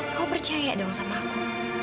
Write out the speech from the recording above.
kau percaya dong sama aku